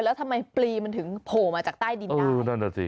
แล้วทำไมปลีมันถึงโผล่มาจากใต้ดินได้